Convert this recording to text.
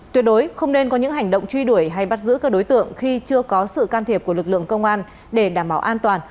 tuyệt đối không nên có những hành động truy đuổi hay bắt giữ các đối tượng khi chưa có sự can thiệp của lực lượng công an để đảm bảo an toàn